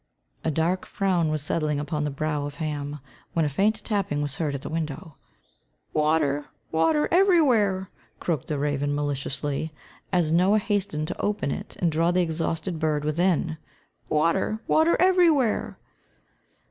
A dark frown was settling upon the brow of Ham, when a faint tapping was heard at the window. "Water, water, everywhere," croaked the raven, maliciously, as Noah hastened to open it and draw the exhausted bird within. "Water, water, everywhere."